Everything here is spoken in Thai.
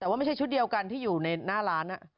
แต่ว่าไม่ใช่ชุดเดียวกันที่อยู่ในหน้าร้าน